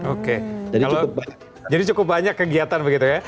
oke jadi cukup banyak kegiatan begitu ya